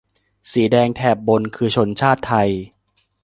สีแดงแถบบนคือชนชาติไทย